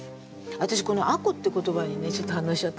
私この「吾子」って言葉にねちょっと反応しちゃったの。